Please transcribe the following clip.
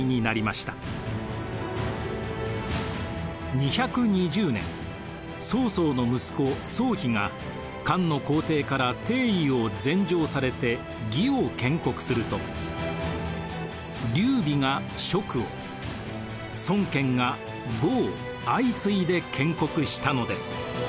２２０年曹操の息子曹丕が漢の皇帝から帝位を禅譲されて魏を建国すると劉備が蜀を孫権が呉を相次いで建国したのです。